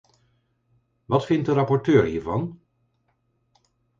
Wat vindt de rapporteur hiervan?